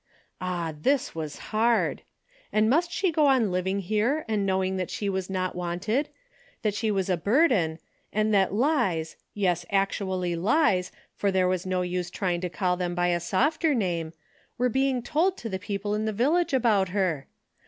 Ah, this was hard ! And must she go on living here and knowing that she was not wanted, that she was a burden, and that lies — yes, actually lies, for there was no use trying to call them by a softer name — were being told to the peo ple in the village about her